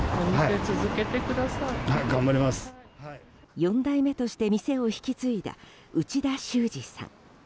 ４代目として店を引き継いだ内田秀司さん。